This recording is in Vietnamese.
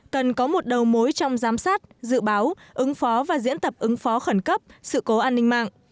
cần có một đầu mối trong giám sát dự báo ứng phó và diễn tập ứng phó khẩn cấp sự cố an ninh mạng